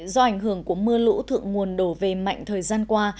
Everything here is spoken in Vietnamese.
do ảnh hưởng của mưa lũ thượng nguồn đổ về mạnh thời gian qua